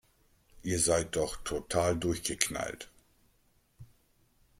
Ihr seid doch total durchgeknallt!